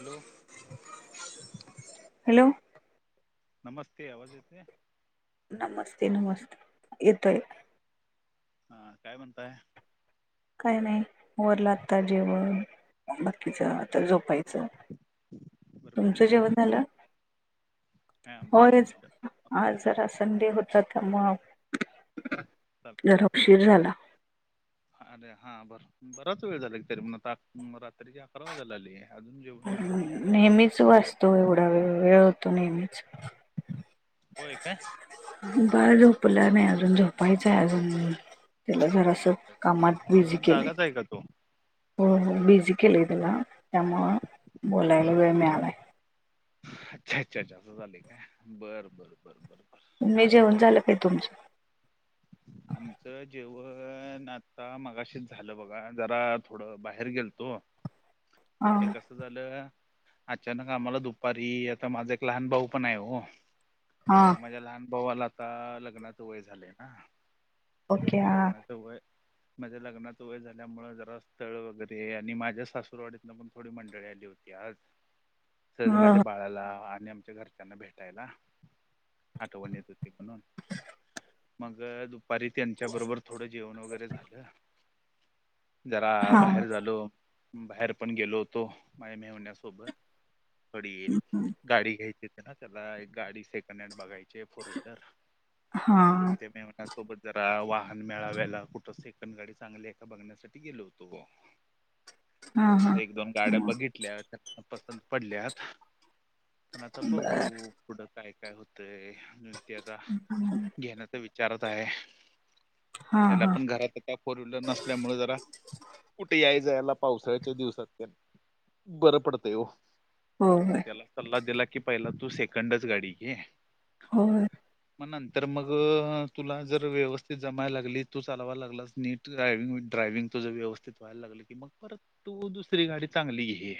Hello. [inaudible] Hello. नमस्ते, आवाज येते? नमस्ते नमस्ते, येतोय. हा काय म्हणताय? काय नाही आवरल आता जेवण. बाकीच आता ब- झोपायचं, तुमचं जेवण झालं? हा आमचं जेवण होयच झालं आताच आज जरा झालं. संडे होता त्यामुळ चाल जरा उशीर झाला. अरे हा बर बराच वेळ झाला क तरी म्हण रात्रीची अकरा वाजेला आले. नेहमीच वाजतो एवढा वेळ होतो नेहमीच. होय काय? बाळ झोपला नाही अजून झोपायचं अजून. त्याला जरास अच्छा कामात बिझी अजून केले. [unintelligible] हो हो बीझी केलाय तेला त्यामुळं बोलायला वेळ मिळालाय. अच्छा अच्छा अच्छ असं झालाय काय बर बर बर बर बर. मी जेवन झाल काय तुमचं? [inaudible] आमचं जेवण आता मघाशीच झालं बघा जरा थोडं बाहेर गेलतो. [inaudible] [inaudible] ते हां कसं झालं अचानक आम्हाला दुपारी आता माझा एक लहान भाऊ पण आहे हो. हां मग माझ्या लहान भावाला आता लग्नात वय झाले ना. ओके म्हणजे लग्नाचं वय म्हणजे लग्नाच वय झाल्यामुळे जरा स्थळ वगैरे आणि माझ्या सासूरवाडीतन पण थोडी मंडळी आली होती आज. [inaudible] सहज माझ्या बाळाला आणि आमच्या घरच्यांना भेटायला आठवण येत होती म्हणून. [inaudible] मग दुपारी त्यांच्या बरोबर थोडं जेवण वगैरे झालं. जरा हां बाहेर हां झालो. बाहेर पण गेलो होतो माझ्या मेहण्यासोबत थोडी गाडी घ्यायची ते ना त्याला एक गाडी सेकंड हँड बघायची फोर व्हीलर. हा म ते मेव्हणा सोबत जरा वाहन मेळाव्याला कुठं सेकंड गाडी चांगली एका बघण्यासाठी गेलो होतो बा [unintelligible] हा म हा तिथे एक दोन गाड्या बघितल्या तर पसंद पडल्यातं. पण आता बर बघू पुढं काय-काय होतय ते आता. ह हम्. घेण्याचा विचारत आहे. हा त्याला हा पण घरात काय फोर व्हीलर नसल्यामुळे जरा कुठे याय-जायला पावसाळ्याच्या दिवसात बरं पडते ओ. होय मग होय त्याला सल्ला दिला कि पहिला तू सेकंडच गाडी घे. होय. म नंत तर मग तुला जर व्यवस्थित जमायला लागली तू चालावा लागलास नीट ड्रायविंग ड्रायविंग तुझं व्यवस्थित व्हायला लागलं की मग परत तू दुसरी गाडी चांगली घे.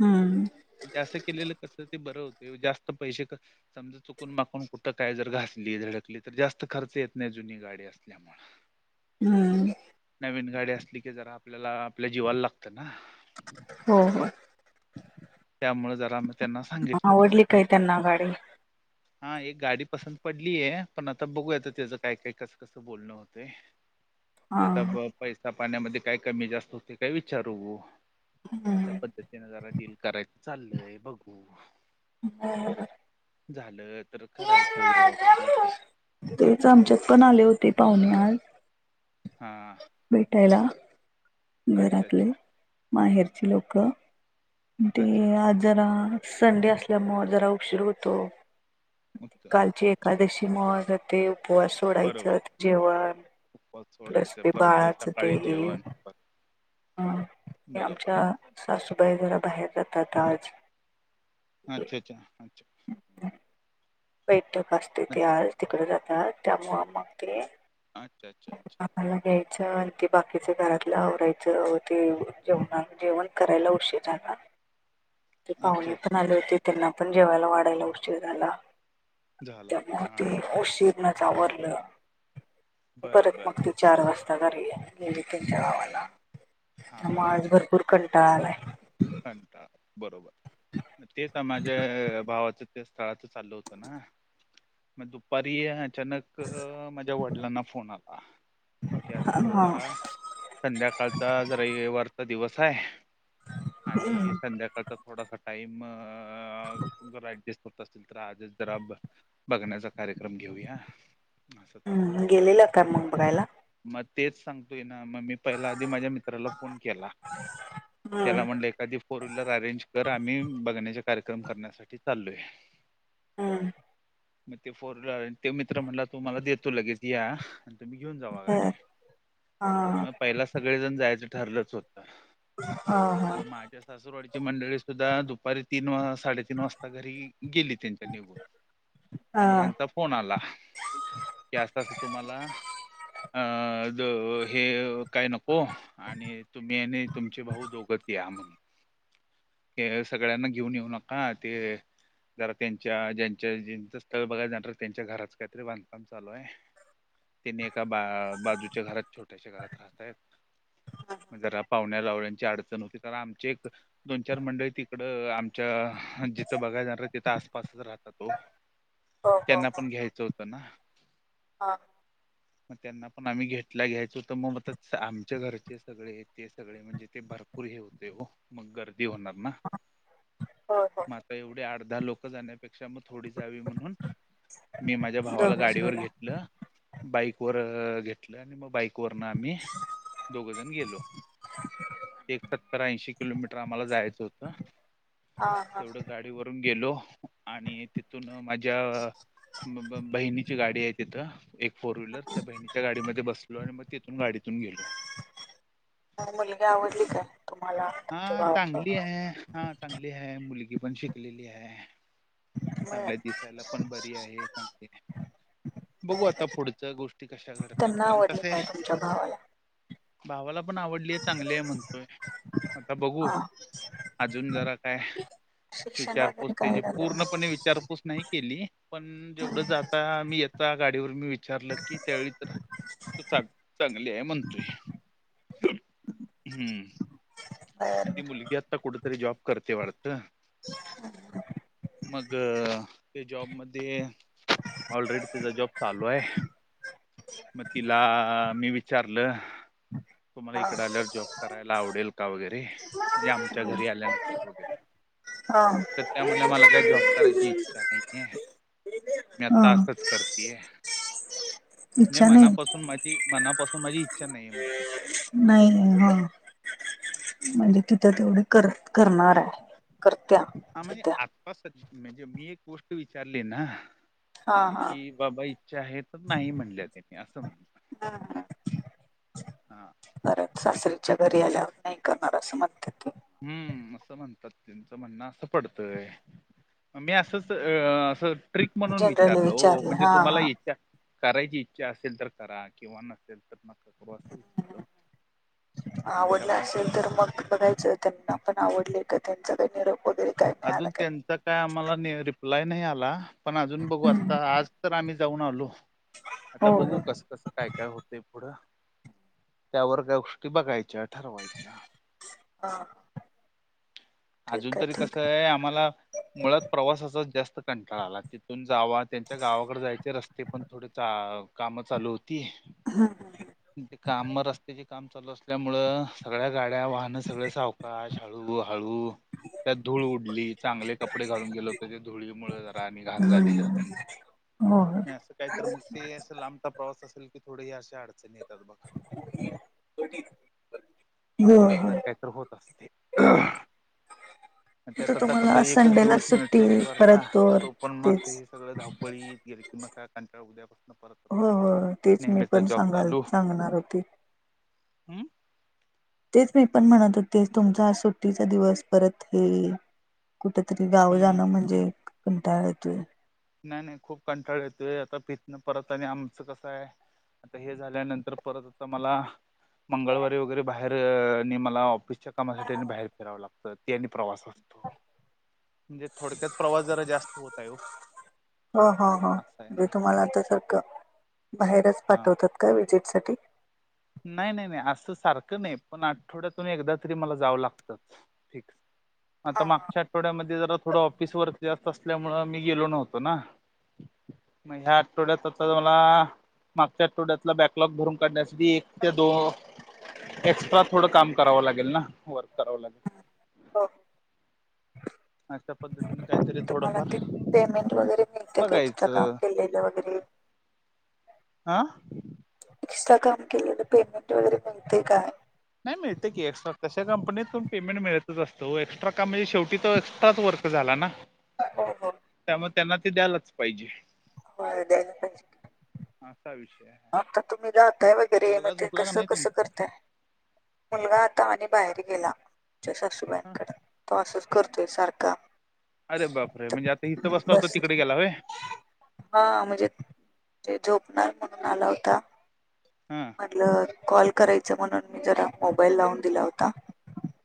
हम्म, पण ते असं केलेलं तसच ते बरं होते, जास्त पैसे क समजा चुकून माखून कुठं काय जर घास ली धडकली तर जास्त खर्च येत नाही जुनी गाडी असल्यामुळ. हम्म, नवीन गाडी असली की जरा आपल्याला आपल्या जीवाला लागतं ना. हो हो. त्यामुळ जरा म [unintelligible] आवडली काय त्यांना गाडी? हा एक गाडी पसंत पडलीये, पण आता बघूया तेज काय काय कसं क असं बोलणं होतय. हा तेचा जर पैसा पाण्यामध्ये काय कमी जास्त होते काय विचारू, त्या हम्म पद्ध त्यानं जरा डील कराय चाल्लय बघू. [unintelligible] हाय बरं. झालं तर करायचं व्यवस्थित. तेच आमच्यात पण आले होते पाहुणे आज. हां. भेटायला, अच्छा घरातले, अच्छा माहेरची लोकं. म अच्छा तेनी अच्छा आज जरा, संडे असल्यामुळ जरा उशीर होतो. म ते मग कालची अच्छा अच्छा एकादशीमुळ म ते उपवास बरोबर सोडायच्या आत जेवण उपवास प्लस सोडायचं परत ते बाळाचं सकाळी जेवण प आणि आमच्या सासूबाई घराबाहेर जातात आज. अच्छा च्छा अच्छा. बैठक असते ते अच्छा आज तिकडे जातात. त्यामुळ मग ते आच्छा च च. आपाला द्यायचं अन ते बाकीच घरातलं आवरायचं ते जेवणा जेवण करायला उशीर झाला. ते अच्छा पाहुणे पण अच्छा आले होते, त्यांना पण जेवायला वाढायला उशिर झाला. झाला त्यामुळं हा ते उशीरनच आवरलं. बर परत मग बर ती बर चार वाजता घरीय गेली त्यांच्या गावाला, हा त्यामुळ आज भर पुर कंटाळा आलाय. कंटाळा बरोबर, न तेच त्यांना जे भावाच त्या स्थळाच चालल होतं ना, म दुपारी अचानक क माझ्या वडिलांना फोन आला. कि अस अस हां जरा संध्याकाळचा आज रविवारचा दिवस हाय. आणि संध्याकाळचा थोडासा टाइम अ जरा ऍडजस्ट होत असतील तर, आजच जरा ब बघण्याचा कार्यक्रम घेऊया. हम्म असं तसं, गेलेला का मग बघायला म तेच सांगतोय ना म मी पहिला आधी माझ्या मित्राला फोन केला. हम्म त्याला म्हणले एक त्या‌ आधी फोर व्हीलर अरेंज कर, आम्ही बघण्याचे कार्यक्रम करण्यासाठी चालोय. हम्म. म ते फोर ड्रायव्हर ते मित्र म्हणला तूम्हांला देतो लगेच या. आणि तुम्ही घेऊन जावा गाडी, बर हा हा म पहिला सगळेजण जायचं ठरलंच होतं. हा हा. मग माझ्या सासूरवाडीची मंडळी सुद्धा दुपारी तीन वा साडे तीन वाजता घरी गेली त्यांच्या निघून आणि हा ह्यांचा फोन आला. कि असं असं तुम्हाला अ ज हे काय नको आणि तुम्ही आणि तुमचे भाऊ दोघंचं या मग. सगळ्यांना घेऊन येऊ नका ते जरा त्यांच्या, ज्यांच्या ज्यांचं स्थळ बघायला जाणार त्यांच्या घराच काहीतरी बांधकाम चालू हाय. [inaudible] त्यांनी एका बा बाजूच्या घरात छोट्याशा घरात राहतायत म जरा पाहुण्या रावळ्यांची अडचण होती तर आमची एक दोन चार मंडळी तिकडं आमच्या, जिथं बघायला जाणार आहे तिथं आसपासच राहतात ओ [inaudible] त्यांना हो पण घ्यायचं होतं ना. हा मग त्यांना पण आम्ही घेतलं घ्यायचं होतं मग आमच्या घरचे सगळे. ते सगळे म्हणजे ते भर पूर हे होते हो. मग गर्दी होणार ना. हो हो म आता एवढी आठ-दहा लोकं जाण्यापेक्षा, मग थोडी जावी म्हणून मी माझ्या भावाला दोघेच गाडीवर गेला घेतलं बाईक वर घेतलं. आणि मग बाईक वरनं आम्ही दोघ जण गेलो. एक सत्तर ऐंशी किलोमीटर आम्हाला जायचं होतं. हा हा तेवढं गाडी डी वरुन गेलो. आणि तिथून माझ्या ब ब बहिणीची गाडी हाय तिथं. एक फोर व्हीलर. त्या बहिणीच्या गाडीमध्ये बसलो आणि मग तिथून गाडीतून गेलो. म मुलगी आवडली काय? तुम्हाला हा तुमच्या भावाला चांगली हाय. हा चांगली हाय. मुलगी पण शिकलेली हाय. चांगलाय दिसायला पण बरी आहे चांगली हाय बघू आता पुढच्या गोष्टी कशा घडतात त्यांना कारण आवडली कसं हाय काय तुमच्या भावाला भावाला पण आवडलीय चांगली हाय म्हणतोय आता बघू हा अजून जरा काय शिक्षण विचारपूस वगैरे काय त्याची झालं पूर्ण मग विचारपूस नाही केली पण जेवढं जाता मी येता गाडीवर मी विचारलं की त्यावेळी जरा चांग चांगली हाय म्हणतोय हम्म बर मग ती बर मुलगी आत्ता कुठेतरी जॉब करते वाटतं मग ते जॉबमध्ये ऑलरेडी तिचा जॉब चालू हाय मग तिला मी वि चारलं, तुम्हाला हा इकडं आल्यावर जॉब करायला आवडेल का? वगैरे म्हणजे आमच्या घरी आल्यानंतर वगैरे हा तर त्या म्हनल्या मला काय जॉब करायची इच्छा नाहीये मी हा आता असंच करतीये म्हणजे इच्छा नाही मनापासून माझी मनापासून माझी इच्छा नाहीये म्हणतात नाही ह म्हणजे तिथं तेवढे कर करणार हाय. हा म्हणजे आता स म्हणजे मी एक गोष्ट विचारली ना हा कि बाबा इच्छा आहे तर नाही म्हणल्या त्यानी असं म्हणलं हा हा परत सासरच्या घरी आल्यावर नाही करणार असं म्हणतात ते हम्म असं म्हणतात ते तच म्हणणं असं पडतंय मी असंच अ असं ट्रिक म्हणून जनरल विचारलं हो म्हणजे हा तुम्हाला हा इच्छा करायची इच्छा असेल तर करा किंवा नसेल तर नक त्या आवडलं पद्धती असेल तर मग बघायचं. त्यांना पण आवडले का त्यांचा काही निरोप वगैरे काय अजून मिळाला त्यांचा काय आम्हाला रिप्लाय नाही आला पण अजून बघू असता आज तर आम्ही जाऊन आलो आता होय बघू होय कस कस काय काय होतंय पुढं त्यावर त्या गोष्टी बघायच्या, ठरवायच्या हा अजून ठीक आहे तरी ठीक कसं आहे आम्हाला मुळात प्रवासाचाच जास्त कंटाळा आला तिथ तिथून जावा त्यांच्या गावाकडे जायचे रस्ते पण थोडे काम चालू होती. हा. काम रस्त्याचे काम चालू असल्यामुळ सगळ्या गाड्या वाहन त्यांन सगळ सावकाश हळू हळू त्यात धूळ उडली चांगले कपडे घालून गेलो तरी धुळी मुळ जरा आणि घाण झाली जास्त हम्म हो नाही असं काही तर मग ते अस लांबचा प्रवास असेल की थोडे अशा अडचणी येतात बघ. [inaudible] हो काहीतर हो काहीतर होत असते. तर त्यात आता कस तुम्हाला एकच संडेला दिवस मिळतोय सुट्टी रविवारचा परत तर तो पण मग तेच ते सगळं धावपळीत गेल की मग काय कंटाळा त होता हो हो तेच मी नेहमीचा पण जॉब सांगाल चालू सांगणार होते हम्म तेच मी पण म्हणत होते तुमचा सुट्टीचा दिवस परत हे कुठ तरी गाव हम्म जाणं म्हणजे कंटाळतोय. नाही नाही खूप कंटाळ येतोय आता पितनं परत आणि आमचं कसं आहे आता हे झाल्यानंतर परत आता मला मंगळवारी वगैरे बाहेर बाहेर आणि मला ऑफिसच्या कामासाठी बाहेर फिरावं लागतं ते आणि प्रवास असतो. म्हणजे थोडक्यात प्रवास जरा जास्त होत आहे ओ हो हो हो म्हणजे तुम्हाला आता सारखं बाहेरच हा पाठवतात का व्हिजिटसाठी नाही नाही नाही असं सारखं नाही पण आठवड्यातून एकदा तरी मला जावं लागतच. फिक्स हा आता मागच्या आठ आठवड्यामध्ये जरा थोडं ऑफिस वर्क जास्त असल्यामुळ मी गेलो नव्हतो ना मग ह्या आठवड्यात आता मला मागच्या आठवड्यातला बॅकलॉग भरून काढण्यासाठी एक ते दो एक्स्ट्रा थोडं काम करावं लागेल ना वर्क करावं लागेल. हो. अशा पद्धतीने काहीतरी तुम्हाला थोडंफार ते पेमेंट वगैरे मिळते का एक्स्ट्रा काम बघायचं. केलेलं वगैरे? आं एक्स्ट्रा काम केलेलं पेमेंट वगैरे मिळते काय? नाही मिळते की एक्ट्रा तशा कंपनीतून पेमेंट मिळतच असतं ओ एक्स्ट्रा काम म्हणजे शेवटी एक्स्ट्राच वर्क झाला ना हो हो. त्यामुळ त्यांना ते द्यायलाच पाहिजे. होय, द्यायला पाहिजे. असा विषय ये. आता तुम्ही जाताय वगैरे म ते का कसं नाही कसं तुमचा करताय. मुलगा आता आणि बाहेर गेला आमच्या सासूबाईंकड तो अस करतोय सारखा अरे बापरे म्हणजे आता इथं बसला होता तिकडे गेला काय? हा म्हणजे ते झोपणार म्हणून आला होता. हम्म. म्हटलं कॉल करायच म्हणून मी जरा मोबाईल लावून दिला होता.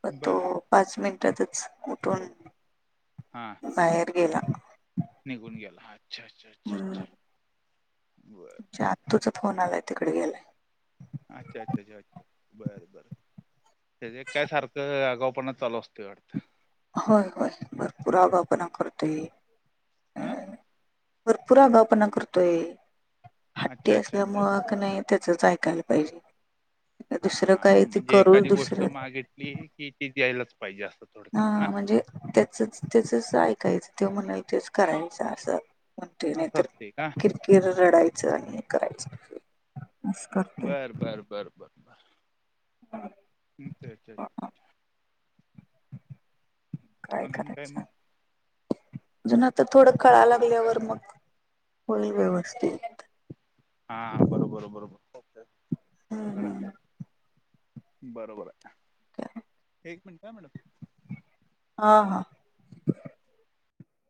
पण बरं. तो पाच मिनटातच उठून. हा. बाहेर गेला. निघून गेला अच्छा अच्छा अच्छ अच्छ बरं. च्या आत्तुचा फोन आलाय तिकडे गेलाय. अच्छा अच्छा अच्छा बरं. त्याज्या काय सारखं आगावपना चालू असते वाटतं. होय होय भरपूर आगावपणा करततोय. हा. भरपूर आगावपणा करतोय हट्टी अच्छा अच्छा अच्छा असल्यामुळ क नाय त्याचच ऐकायला पायजे दुसरं काय ते करू दुसरं ले हे किथ द्यायलाच पायजे असं हा थोडक्यात ना म्हणजे त्याचच त्याचच ऐकायचं त्यो म्हणलं तेच करायचं असं. [unintelligible] नाय असं तर असते का किरकिर रडायचं आणि हे करायचं. करतोय बर बर बर बर [unintelligible] काय अच्छा. अजून करायच? मग अजून आता थोडं कळा लागल्यावर मग होईल व्यवस्थित. हा बरोबर बरोबर हम्म खरं. हम्म बरोबर. आहे एक मिनट हा मॅडम. हा हा.